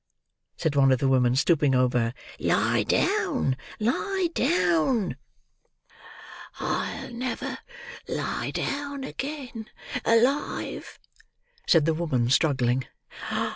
said one of the women, stooping over her. "Lie down, lie down!" "I'll never lie down again alive!" said the woman, struggling.